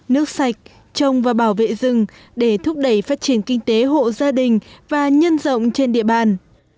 nước sạch trồng và bảo vệ rừng để thúc đẩy phát triển kinh tế hộ gia đình và nhân rộng trên địa bàn